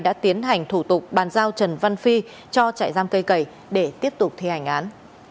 đã tiến hành thủ tục bàn giao trần văn phi cho trại giam cây cẩy để tiếp tục thi hành án